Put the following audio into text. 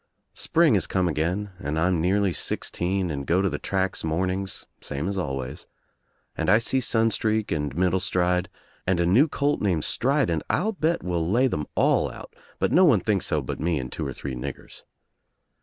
Spring has come again and I'm nearly sixteen and go to the tracks mornings same as always, and I see Sunstreak and Middlestride and a new colt named Strident I'll bet will lay them all out, but no one thinks so but me and two or three niggers.